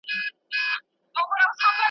هم بادار هم خریدار ته نازنینه ,